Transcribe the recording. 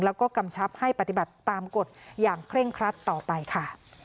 แล้วก็กำชับให้ปฏิบัติตามกฎอย่างเคร่งครัดต่อไปค่ะ